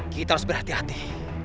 kita harus berhati hati